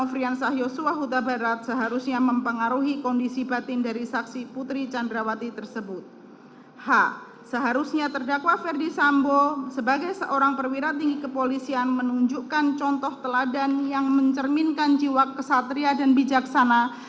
seharusnya terdakwa ferdi sambo sebagai seorang perwira tinggi kepolisian menunjukkan contoh teladan yang mencerminkan jiwa kesatria dan bijaksana